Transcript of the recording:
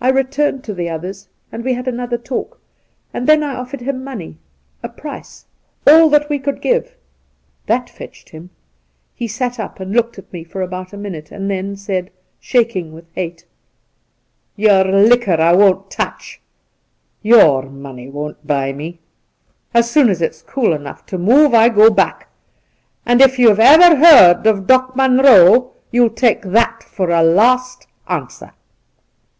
I returned to the others, and we had another talk, and then I offered him money — a price : all that we could give ! That fetched him. He sat up, and looked at me for about a minute, and then said, shaking with hate :' Your liquor I won't touch. Your money won't buy me. As soon as it's cool enough to move, I go back ; and if you've ever heard of Doc Munroe, you'U take that for a last answer.'